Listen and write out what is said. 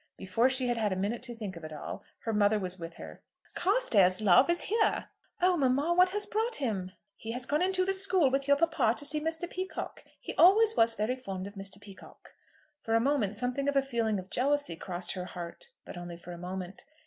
Before she had had a minute to think of it all, her mother was with her. "Carstairs, love, is here!" "Oh mamma, what has brought him?" "He has gone into the school with your papa to see Mr. Peacocke. He always was very fond of Mr. Peacocke." For a moment something of a feeling of jealousy crossed her heart, but only for a moment.